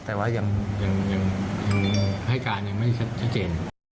แต่ว่ายังให้การยังไม่ชัดเจน